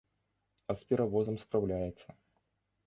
А з перавозам спраўляецца.